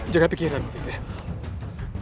jaga pikiran viv ya